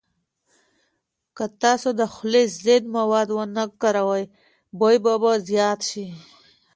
که تاسو د خولې ضد مواد ونه کاروئ، بوی به زیات شي.